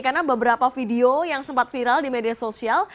karena beberapa video yang sempat viral di media sosial